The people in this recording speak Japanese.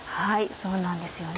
そうなんですよね。